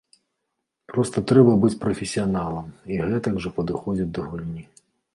Проста трэба быць прафесіяналам і гэтак жа падыходзіць да гульні.